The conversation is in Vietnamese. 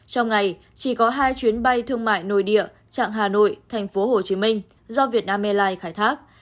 trong ngày chỉ có hai chuyến bay thương mại nội địa trạng hà nội tp hcm do việt nam airlines khai thác